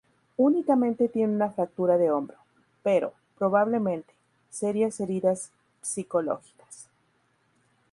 Únicamente tiene una fractura de hombro, pero, probablemente, serias heridas psicológicas.